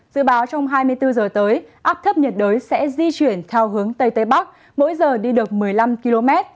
dự báo trong hai mươi bốn giờ tới áp thấp nhiệt đới sẽ di chuyển theo hướng tây tây bắc mỗi giờ đi được một mươi năm km